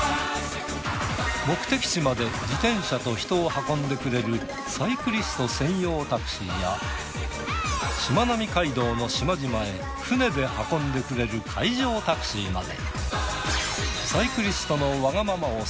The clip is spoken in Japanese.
目的地まで自転車と人を運んでくれるサイクリスト専用タクシーやしまなみ海道の島々へ船で運んでくれる海上タクシーまで。